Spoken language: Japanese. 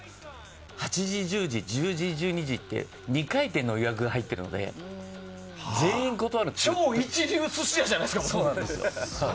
お店のＶＩＰも８時１０時、１０時１２時と２回転の予約が入っているので超一流寿司屋じゃないですか。